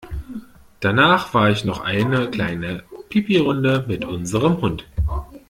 Danach war ich noch eine kleine Pipirunde mit unserem Hund.